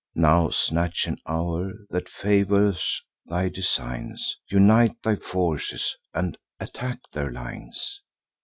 Now snatch an hour that favours thy designs; Unite thy forces, and attack their lines."